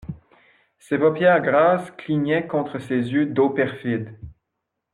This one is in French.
Ses paupières grasses clignaient contre ses yeux d'eau perfide.